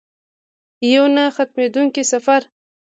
یو نه ختمیدونکی سفر.